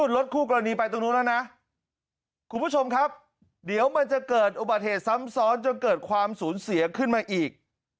รถคู่กรณีไปตรงนู้นแล้วนะคุณผู้ชมครับเดี๋ยวมันจะเกิดอุบัติเหตุซ้ำซ้อนจนเกิดความสูญเสียขึ้นมาอีก